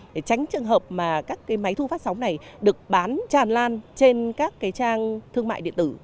để tránh trường hợp mà các cái máy thu phát sóng này được bán tràn lan trên các cái trang thương mại điện tử